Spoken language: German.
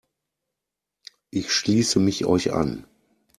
Ich schließe mich euch an.